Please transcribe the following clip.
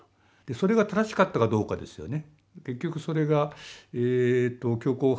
それが正しかったかどうかですよね。